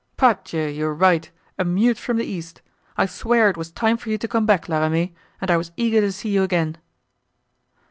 "Pardieu! you are right—a mute from the East! I swear it was time for you to come back, La Ramee, and I was eager to see you again."